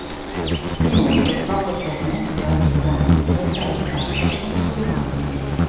Inoltre, proprio per non creare legami, restava in carica per un solo anno.